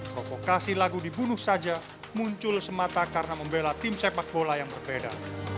provokasi lagu dibunuh saja muncul semata karena membela tim sepak bola yang berbeda